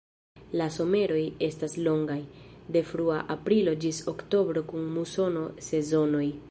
La someroj estas longaj, de frua aprilo ĝis oktobro kun musono-sezonoj.